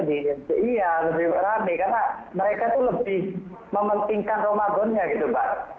iya lebih rame karena mereka itu lebih mementingkan ramadannya gitu mbak